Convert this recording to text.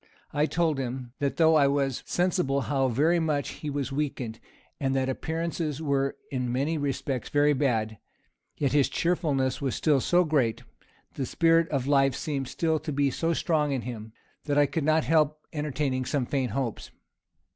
I told him, that though I was sensible how very much he was weakened, and that appearances were in many respects very bad, yet his cheerfulness was still so great, the spirit of life seemed still to be so very strong in him, that I could not help entertaining some faint hopes.